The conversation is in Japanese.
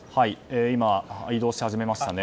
移動し始めましたね。